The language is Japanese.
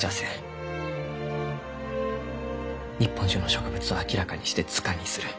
日本中の植物を明らかにして図鑑にする。